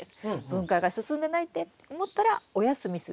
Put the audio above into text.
分解が進んでないって思ったらお休みする。